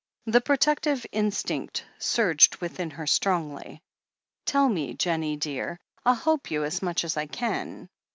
The protective instinct surged within her strongly. "Tell me, Jennie dear — I'll help you as much as I can.